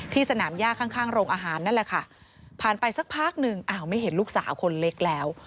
สนามย่าข้างข้างโรงอาหารนั่นแหละค่ะผ่านไปสักพักหนึ่งอ้าวไม่เห็นลูกสาวคนเล็กแล้ว